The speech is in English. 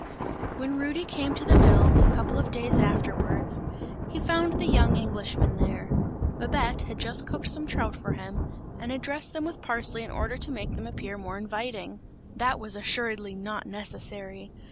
When Rudy came to the mill, a couple of days afterwards, he found the young Englishman there. Babette had just cooked some trout for him and had dressed them with parsley in order to make them appear more inviting. That was assuredly not necessary.